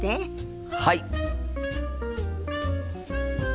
はい！